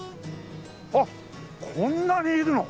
あっこんなにいるの？